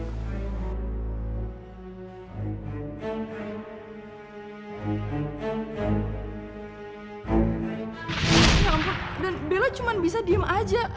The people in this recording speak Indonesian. ampun dan bella cuma bisa diem aja